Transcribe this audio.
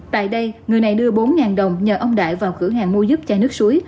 tại đây người này đưa bốn đồng nhờ ông đại vào cửa hàng mua giúp chai nước suối